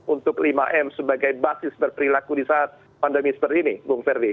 untuk lima m sebagai basis berperilaku di saat pandemi seperti ini bung ferdi